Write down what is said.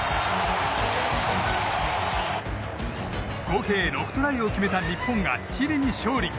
合計６トライを決めた日本がチリに勝利。